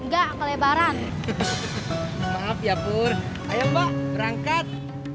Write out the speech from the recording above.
gak kelebaran maaf ya pur ayo mbak berangkat